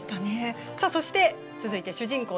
さあそして続いて主人公